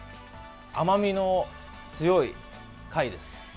甘みの強い貝です。